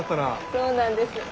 そうなんです。